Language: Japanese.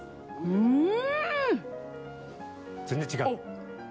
うん。